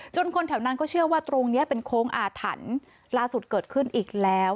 คนแถวนั้นก็เชื่อว่าตรงนี้เป็นโค้งอาถรรพ์ล่าสุดเกิดขึ้นอีกแล้ว